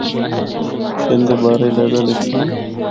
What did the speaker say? اس دے بارے علیحدہ لکھساں۔